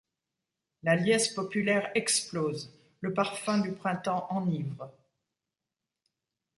La liesse populaire explose, le parfum du printemps enivre.